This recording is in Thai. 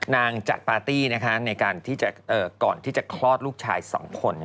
นางจัดปาร์ตี้ก่อนที่จะคลอดลูกชายสองคน